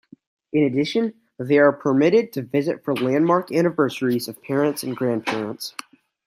In addition, they are permitted to visit for landmark anniversaries of parents and grandparents.